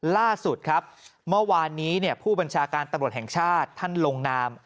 ล่าสุดครับเมื่อวานนี้ผู้บัญชาการตำรวจแห่งชาติท่านลงนาม